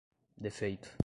defeito